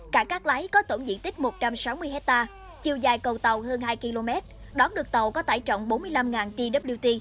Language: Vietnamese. cảng cát lái có tổng diện tích một trăm sáu mươi hectare chiều dài cầu tàu hơn hai km đón được tàu có tải trọng bốn mươi năm twt